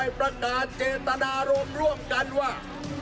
ได้ประกาศเจตนารวมร่วมกันว่า